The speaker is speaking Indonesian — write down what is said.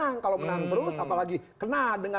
atau huruf d